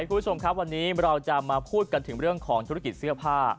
คุณผู้ชมครับวันนี้เราจะมาพูดกันถึงเรื่องของธุรกิจเสื้อผ้า